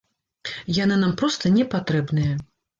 Яны нам проста не патрэбныя.